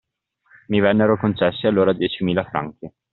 Mi vennero concessi allora diecimila franchi;